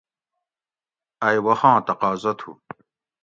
ائی وخاں تقاضہ تھو